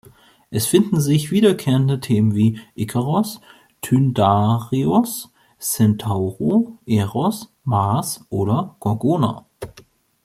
Es finden sich wiederkehrende Themen wie "Ikaros", "Tyndareos", "Centauro", "Eros", "Mars" oder "Gorgona".